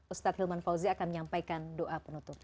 ustadz hilman fauzi akan menyampaikan doa penutup